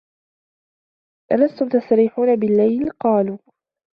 أَلَسْتُمْ تَسْتَرِيحُونَ بِاللَّيْلِ ؟ قَالُوا